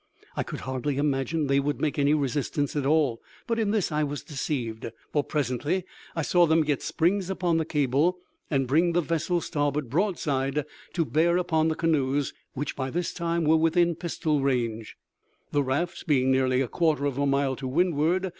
I could hardly imagine that they would make resistance at all, but in this was deceived; for presently I saw them get springs upon the cable, and bring the vessel's starboard broadside to bear upon the canoes, which by this time were within pistol range, the rafts being nearly a quarter of a mile to windward.